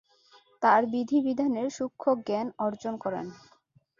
তার বিধি বিধানের সূক্ষ্ণজ্ঞান অর্জন করেন।